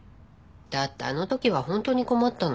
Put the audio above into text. だってあの時は本当に困ったのよ。